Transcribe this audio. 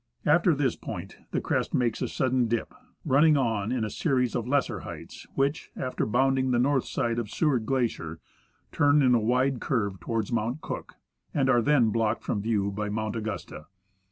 After this point the crest makes a sudden dip, run ning on in a series of lesser heights, which, after bounding the north side of Seward Glacier, turn in a wide curve towards Mount Cook, and are then blocked from view by Mount Augusta.